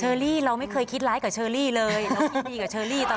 อรี่เราไม่เคยคิดร้ายกับเชอรี่เลยเราคิดดีกับเชอรี่ตลอด